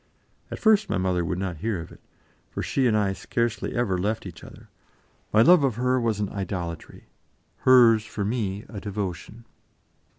At first my mother would not hear of it, for she and I scarcely ever left each other; my love for her was an idolatry, hers for me a devotion.